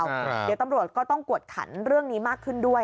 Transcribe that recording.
เดี๋ยวตำรวจก็ต้องกวดขันเรื่องนี้มากขึ้นด้วย